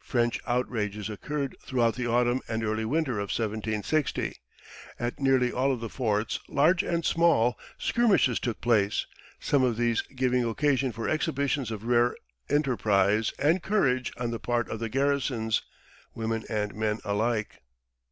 French outrages occurred throughout the autumn and early winter of 1760. At nearly all of the forts, large and small, skirmishes took place, some of these giving occasion for exhibitions of rare enterprise and courage on the part of the garrisons, women and men alike.